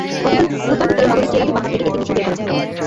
গতকাল বুধবার দুপুরে নগরের চেরাগী পাহাড় থেকে একটি মিছিল বের করা হয়।